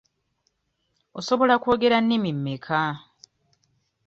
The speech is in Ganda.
Osobola kwogera nnimi mmeka?